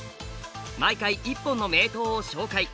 毎回１本の名刀を紹介。